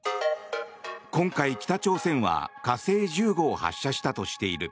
今回、北朝鮮は火星１５を発射したとしている。